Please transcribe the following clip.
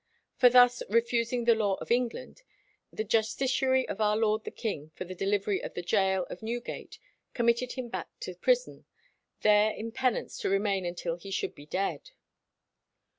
For thus "refusing the law of England," the justiciary of our lord the king for the delivery of the gaol of Newgate, committed him back to prison, "there in penance to remain until he should be dead."